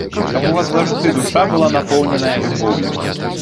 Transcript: Каб у вас заўжды душа была напоўненая любоўю!